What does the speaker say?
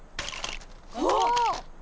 うわっ！